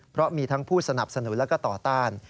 เพราะมีทั้งผู้สนับสนุนและก็ต่อต้าน